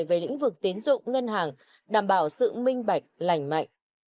về lĩnh vực tiến dụng ngân hàng đảm bảo sự minh bạch lành mạnh